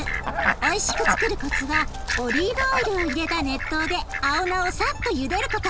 おいしくつくるコツはオリーブオイルを入れた熱湯で青菜をさっとゆでること。